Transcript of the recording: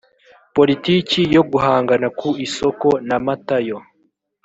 politiki yo guhangana ku isoko na matayo